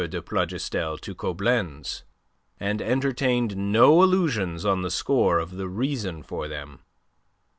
de Plougastel to Coblenz, and entertained no illusions on the score of the reason for them.